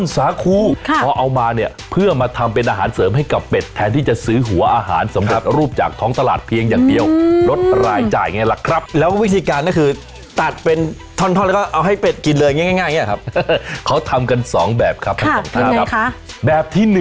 เทคนิคครับพี่อ้าวไม่ใช่อาชิวะ